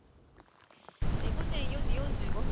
午前４時４５分